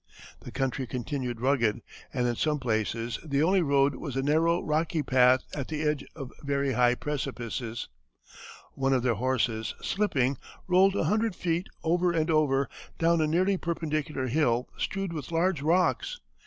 The country continued rugged, and in some places the only road was a narrow rocky path at the edge of very high precipices. One of their horses, slipping, rolled a hundred feet, over and over, down a nearly perpendicular hill strewed with large rocks.